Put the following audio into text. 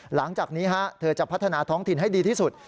หลังจากนี้เธอจะพัฒนาท้องถิ่นให้ดีที่สุด